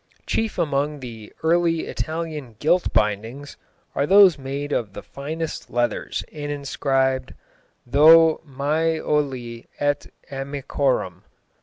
Chief among the early Italian gilt bindings are those made of the finest leathers and inscribed THO. MAIOLI ET AMICORVM.